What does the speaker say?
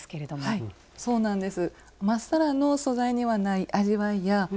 はいそうなんです。